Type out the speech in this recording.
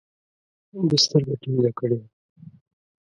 ده سترګه ټينګه کړې وه.